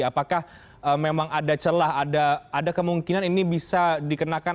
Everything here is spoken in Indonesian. apakah memang ada celah ada kemungkinan ini bisa dikenakan